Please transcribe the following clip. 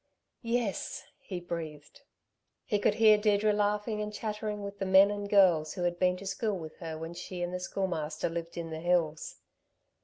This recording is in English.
"Yes," he breathed. He could hear Deirdre laughing and chattering with the men and girls who had been to school with her when she and the Schoolmaster lived in the hills.